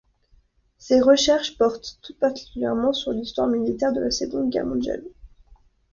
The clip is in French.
Ses recherches portent tout particulièrement sur l'histoire militaire de la Seconde Guerre mondiale.